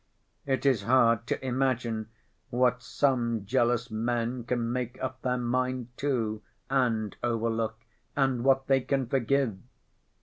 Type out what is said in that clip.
It is hard to imagine what some jealous men can make up their mind to and overlook, and what they can forgive!